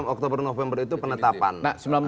oktober november itu penetapan